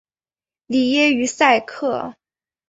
里耶于塞克。